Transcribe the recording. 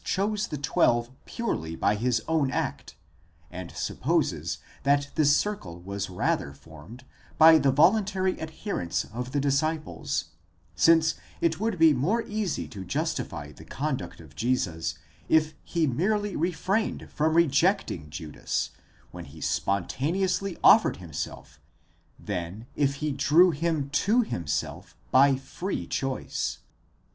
chose the twelve purely by his own act, and supposes that this circle was rather formed by the voluntary adherence of the disciples: since it would be more easy to justify the conduct of Jesus, if he merely refrained from rejecting Judas when he spontaneously offered himself than if he drew him to himself by tree choice.